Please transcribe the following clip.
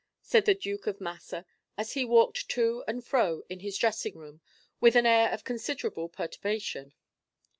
said the Duke of Massa, as he walked to and fro in his dressing room, with an air of considerable perturbation.